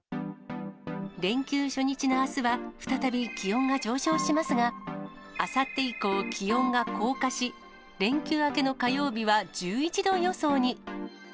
連休初日のあすは再び気温が上昇しますが、あさって以降、気温が降下し、連休明けの火曜日は１１度予想に。